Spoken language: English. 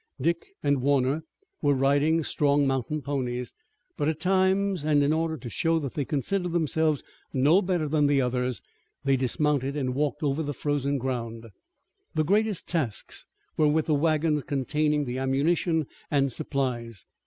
Dick and Warner were riding strong mountain ponies, but at times, and in order to show that they considered themselves no better than the others, they dismounted and walked over the frozen ground. The greatest tasks were with the wagons containing the ammunition and supplies.